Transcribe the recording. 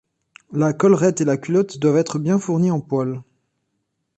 La collerette et la culotte doivent être bien fournies en poils.